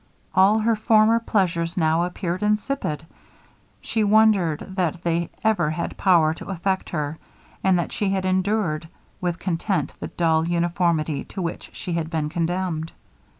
All her former pleasures now appeared insipid; she wondered that they ever had power to affect her, and that she had endured with content the dull uniformity to which she had been condemned.